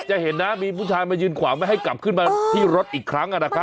จะเห็นนะมีผู้ชายมายืนขวางไม่ให้กลับขึ้นมาที่รถอีกครั้ง